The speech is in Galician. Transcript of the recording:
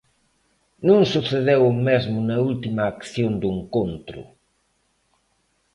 Non sucedeu o mesmo na última acción do encontro.